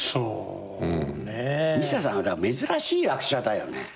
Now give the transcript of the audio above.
西田さんは珍しい役者だよね。